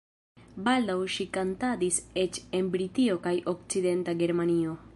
Baldaŭ ŝi kantadis eĉ en Britio kaj Okcidenta Germanio.